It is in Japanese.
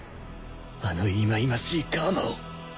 あの忌々しい楔を！